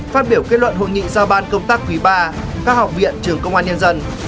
phát biểu kết luận hội nghị giao ban công tác quý ba các học viện trường công an nhân dân